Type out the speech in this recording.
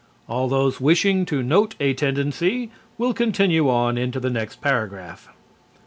All those wishing to note a tendency will continue on into the next paragraph.